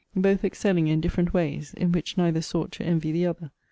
Both excelling in different ways, in which neither sought to envy the other.